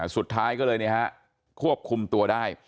สุดท้ายก็เลยเนี่ยฮะควบคุมตัวได้